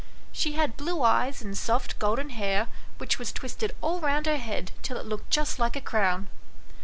She had blue eyes and soft golden hair, which was twisted all round her head, till it looked just like a crown.